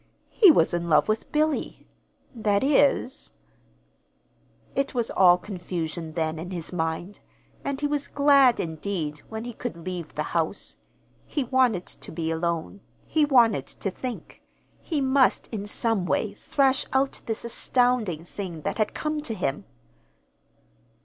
He was in love with Billy; that is It was all confusion then, in his mind, and he was glad indeed when he could leave the house. He wanted to be alone. He wanted to think. He must, in some way, thrash out this astounding thing that had come to him.